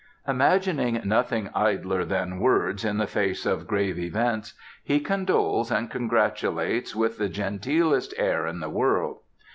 Imagining nothing idler than words in the face of grave events, he condoles and congratulates with the genteelest air in the world.